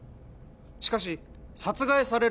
しかし殺害される